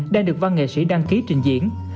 đã được văn nghệ sĩ đăng ký trình diễn